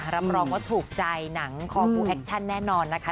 รับรองว่าถูกใจหนังคอบูแอคชั่นแน่นอนนะคะ